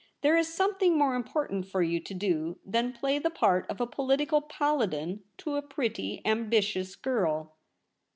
There is something more important for you to do than play the part of political paladin to a pretty ambitious girl.'